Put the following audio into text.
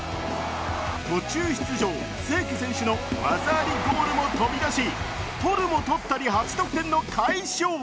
途中出場、清家選手の技ありゴールも飛び出しとるもとったり８得点の快勝！